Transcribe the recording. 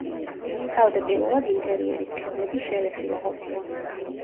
თავდაპირველად ინტერიერის კედლები შელესილი ყოფილა.